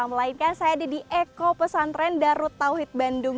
melainkan saya ada di eko pesantren darut tauhid bandung